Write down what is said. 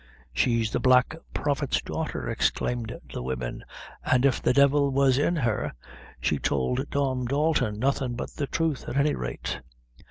"She's the Black Prophet's daughter," exclaimed the women; "an' if the devil was in her, she tould Tom Dalton nothing but the truth, at any rate."